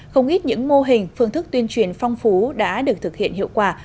không ít những mô hình phương thức tuyên truyền phong phú đã được thực hiện hiệu quả